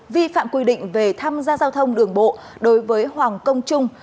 vi phạm quy định về tham gia giao thông đường bộ đối với hoàng công trung